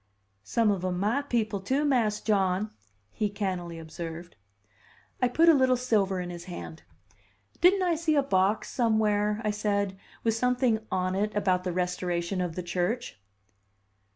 "Some of 'em my people, too, Mas' John," he cannily observed. I put a little silver in his hand. "Didn't I see a box somewhere," I said, "with something on it about the restoration of the church?"